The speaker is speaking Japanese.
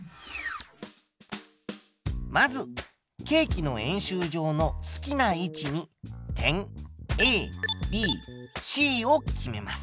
まずケーキの円周上の好きな位置に点ＡＢＣを決めます。